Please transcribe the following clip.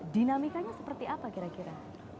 dinamikanya seperti apa kira kira